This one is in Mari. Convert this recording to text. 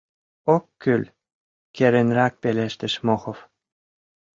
— Ок кӱл, — керынрак пелештыш Мохов.